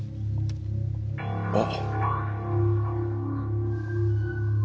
あっ。